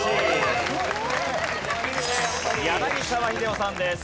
柳澤秀夫さんです。